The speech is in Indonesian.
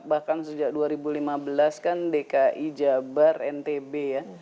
bahkan sejak dua ribu lima belas kan dki jabar ntb ya